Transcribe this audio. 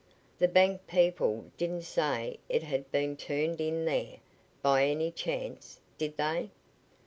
"The bank people didn't say it had been turned in there, by any chance, did they?"